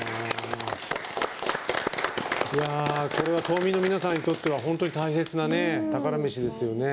これは島民の皆さんにとっては本当に大切な宝メシですよね。